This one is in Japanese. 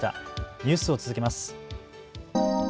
ニュースを続けます。